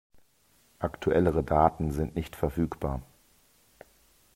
Aktuellere Daten sind nicht verfügbar.